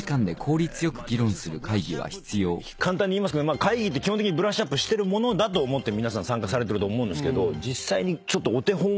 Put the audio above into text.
ブラッシュアップって簡単に言いますけど会議って基本的にブラッシュアップしてるものだと思って参加されてると思うんですけど。